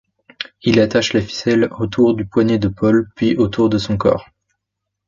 Il attache la ficelle autour du poignet de Paul, puis autour de son corps.